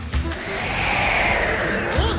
よし！